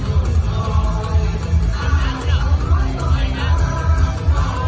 มีใครก็ไม่ต้องร้อยก็ไม่ต้องร้อย